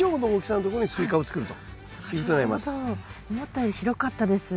思ったより広かったです。